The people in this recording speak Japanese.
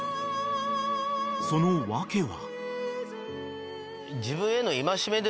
［その訳は？］